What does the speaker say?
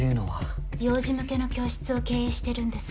幼児向けの教室を経営してるんです。